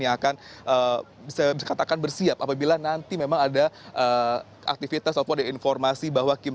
yang akan bisa dikatakan bersiap apabila nanti memang ada aktivitas ataupun ada informasi bahwa